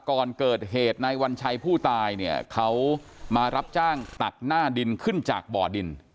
ก่อนเกิดเหตุนายวัญชัยผู้ตายเนี่ยเขามารับจ้างตักหน้าดินขึ้นจากบ่อดิน